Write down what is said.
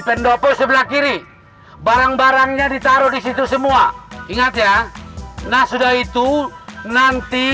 pendopo sebelah kiri barang barangnya ditaruh disitu semua ingat ya nah sudah itu nanti